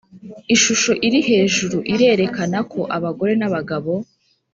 Ishusho iri hejuru irerekana ko abagore n abagabo